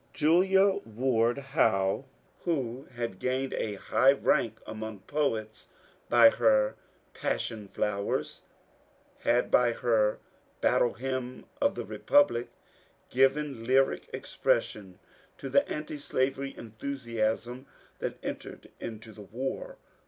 Julia Ward Howe, who had gained a high rank among poets by her ^' Passion Flowers," had by her " Battle Hymn of the Republic " given lyric expression to the antislavery enthusiasm that entered into the war.